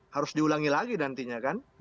harus diulangi lagi nantinya kan